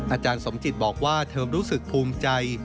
อาจารย์สมจิตบอกว่าเธอรู้สึกภูมิใจ